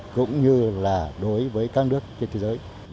cũng như là đối với các nước trên thế giới